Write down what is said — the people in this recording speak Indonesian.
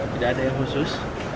tidak ada yang khusus